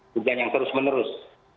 hujan yang terus menerus